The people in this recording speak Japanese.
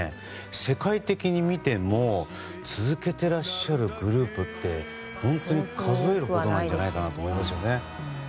世界的に見ても続けていらっしゃるグループって本当に数えるほどなんじゃないかなと思いますよね。